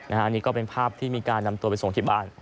อันนี้ก็เป็นภาพที่มีการนำตัวไปส่งที่บ้าน